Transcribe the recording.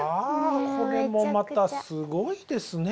これもまたすごいですね。